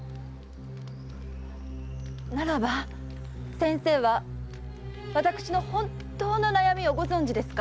ならば先生は私の本当の悩みをご存じですか？